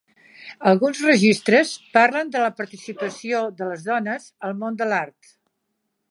Alguns registres parlen de la participació de les dones al món de l'art.